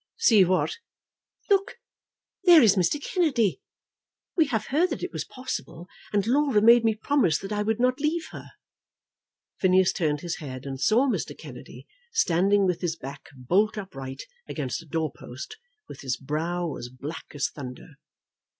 "See what?" "Look; There is Mr. Kennedy. We had heard that it was possible, and Laura made me promise that I would not leave her." Phineas turned his head, and saw Mr. Kennedy standing with his back bolt upright against a door post, with his brow as black as thunder.